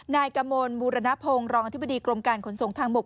นายกมลบูรณพงศ์รองอธิบดีกรมการขนส่งทางบก